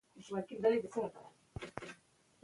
سیاسي ادارې باید خپلواک فعالیت ولري